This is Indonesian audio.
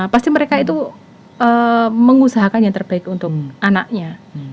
pasti mereka itu mengusahakan yang terbaik untuk anaknya